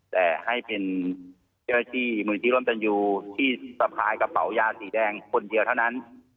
แต่ให้เป็นเจ้าหน้าที่มูลนิธิร่วมตันยูที่สะพายกระเป๋ายาสีแดงคนเดียวเท่านั้น